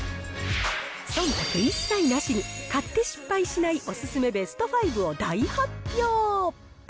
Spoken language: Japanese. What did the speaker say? そんたく一切なしに買って失敗しないお勧めベスト５を大発表。